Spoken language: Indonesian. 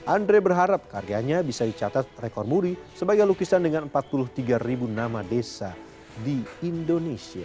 andre berharap karyanya bisa dicatat rekor muri sebagai lukisan dengan empat puluh tiga ribu nama desa di indonesia